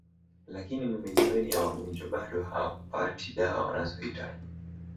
Lakini mamilioni ya wagonjwa bado hawapati dawa wanazohitaji